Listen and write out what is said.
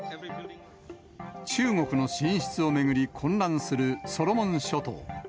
中国の進出を巡り混乱するソロモン諸島。